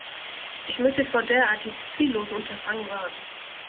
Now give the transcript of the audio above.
Ich möchte vor derartig ziellosen Unterfangen warnen.